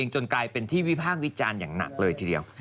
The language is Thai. จนกลายเป็นที่วิพากษ์วิจารณ์อย่างหนักเลยทีเดียว